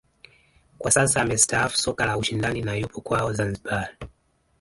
Kwa sasa amestaafu soka la ushindani na yupo kwao Zanzibar